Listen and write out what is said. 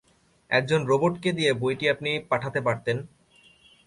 একজন রোবটকে দিয়ে বইটি আপনি পাঠাতে পারতেন।